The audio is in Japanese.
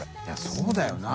そうだよな。